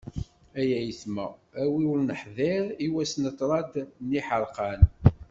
Ay ayetma a wi ur neḥdir, i wass n ṭṭrad n yiḥerqan.